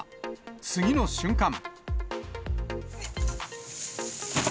次の瞬間。